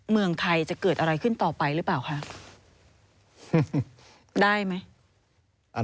เมืองไทยจะเกิดอะไรขึ้นต่อไปหรือเปล่าคะได้ไหม